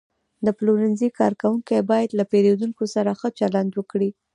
د پلورنځي کارکوونکي باید له پیرودونکو سره ښه چلند وکړي.